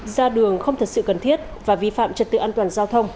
ra đường không thật sự cần thiết và vi phạm trật tự an toàn giao thông